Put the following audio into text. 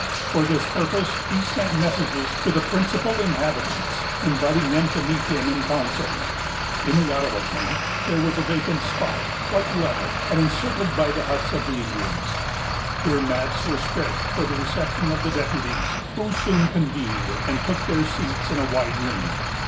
For this purpose, he sent messages to the principal inhabitants, inviting them to meet him in council. In the Ottawa camp, there was a vacant spot, quite level, and encircled by the huts of the Indians. Here mats were spread for the reception of the deputies, who soon convened, and took their seats in a wide ring.